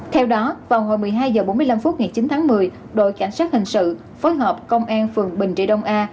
theo đó vào hồi một mươi hai h bốn mươi năm phút ngày chín tháng một mươi đội cảnh sát hình sự phối hợp công an phường bình trị đông a